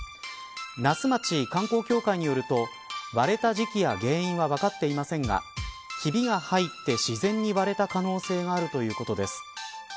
那須町観光協会によると割れた時期や原因は分かっていませんがひびが入って自然に割れた可能性があるということです。